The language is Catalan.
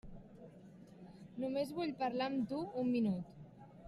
Només vull parlar amb tu un minut.